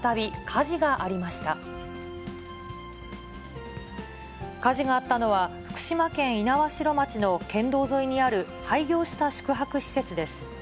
火事があったのは、福島県猪苗代町の県道沿いにある、廃業した宿泊施設です。